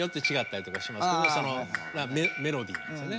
そのメロディなんですよね。